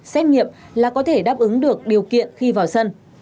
xét nghiệm là có thể đáp ứng được điều kiện khi vào sân